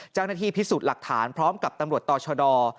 เจ้าหน้าที่พิสูจน์หลักฐานพร้อมกับตำรวจต่อชด